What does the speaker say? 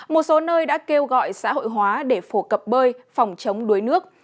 một số nơi đã kêu gọi xã hội hóa để phổ cập bơi phòng chống đuối nước